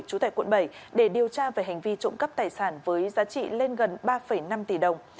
trú tại quận bảy để điều tra về hành vi trộm cắp tài sản với giá trị lên gần ba năm tỷ đồng